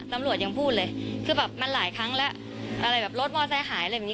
ตำรวจยังพูดเลยคือแบบมันหลายครั้งแล้วอะไรแบบรถมอเซหายอะไรแบบนี้